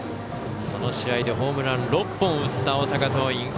その試合でホームラン６本を打った大阪桐蔭